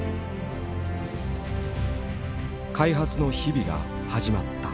開発の日々が始まった。